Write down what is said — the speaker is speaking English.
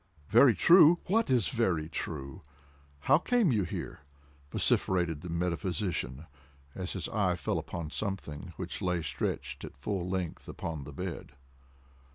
"Very true!—what is very true?—how came you here?" vociferated the metaphysician, as his eye fell upon something which lay stretched at full length upon the bed.